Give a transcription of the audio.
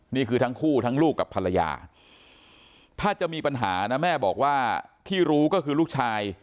นี่คือทั้งคู่ทั้งลูกกับภรรยาถ้าจะมีปัญหานะแม่บอกว่าที่รู้ก็คือลูกชาย